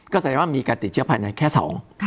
ก็แสดงว่ามีการติดเชื้อภายในแค่สอง